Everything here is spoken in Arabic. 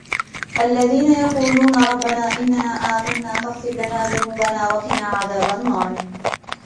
الذين يقولون ربنا إننا آمنا فاغفر لنا ذنوبنا وقنا عذاب النار